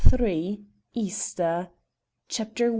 EASTER. CHAPTER I.